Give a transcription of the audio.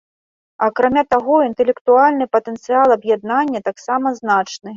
Акрамя таго, інтэлектуальны патэнцыял аб'яднання таксама значны.